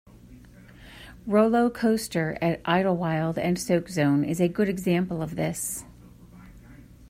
Rollo Coaster at Idlewild and Soakzone is a good example of this.